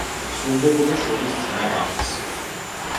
სრულდებოდა შობის წინა ღამეს.